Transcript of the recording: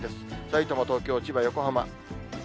さいたま、東京、千葉、横浜。